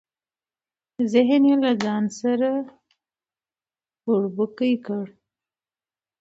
ذهن یې له ځانه سره بوړبوکۍ کړ.